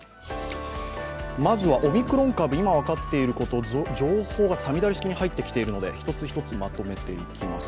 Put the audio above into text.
まずはオミクロン株、今分かっていること、情報が五月雨式に入ってきているので一つ一つまとめていきます。